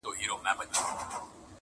ما یې له ماتم سره لیدلي اخترونه دي!.